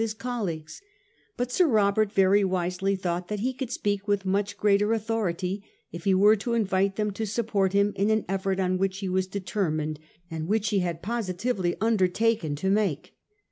Ms colleagues, but Sir Robert very wisely thought that he could speak with much greater authority if he were to invite them to support bim in an effort on which he was determined and which he had positively undertaken to make.